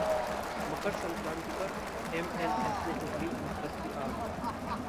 मकर संक्राति पर एमएनएस ने उगली नफरत की आग